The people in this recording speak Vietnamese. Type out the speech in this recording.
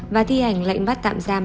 và thi hành lệnh bắt tạm giam